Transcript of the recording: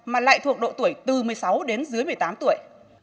mà lại thuộc độ tuổi từ một mươi sáu đến dưới một mươi tám tuổi